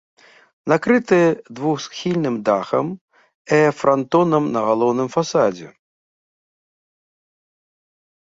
Накрыты двухсхільным дахам э франтонам на галоўным фасадзе.